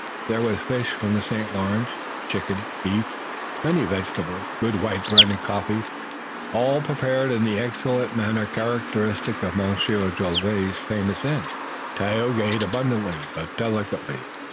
There was fish from the St. Lawrence, chicken, beef, many vegetables, good white bread and coffee, all prepared in the excellent manner characteristic of Monsieur Jolivet's famous inn. Tayoga ate abundantly but delicately.